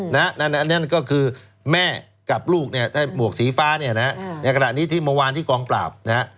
นั่นก็คือแม่กับลูกเนี่ยบวกสีฟ้าเนี่ยในกระดาษนี้ที่เมื่อวานที่กองปราบ